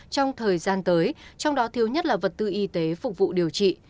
trong thời gian tới trong đó thiếu nhất là vật tư y tế phục vụ điều trị